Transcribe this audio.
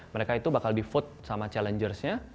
mereka itu bakal di vote sama challengersnya